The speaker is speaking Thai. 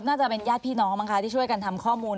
น่าจะเป็นญาติพี่น้องบ้างคะที่ช่วยกันทำข้อมูล